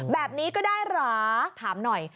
แบบนี้ก็ได้เหรอถามหน่อย